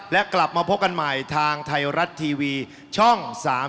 และกลับมาพบกันใหม่ทางไทยรัฐทีวีช่อง๓๒